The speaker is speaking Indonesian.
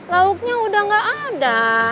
lauknya udah enggak ada